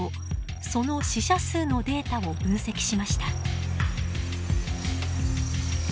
その死者数のデータを分析しました。